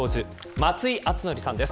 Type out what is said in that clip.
松井敦典さんです。